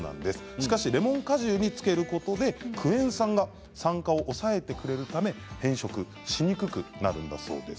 しかしレモン果汁につけることでクエン酸が酸化を抑えてくれるため変色しにくくなるんだそうです。